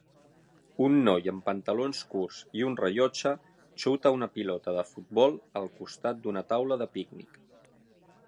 Un noi amb pantalons curts i un rellotge xuta una pilota de futbol al costat d'una taula de pícnic.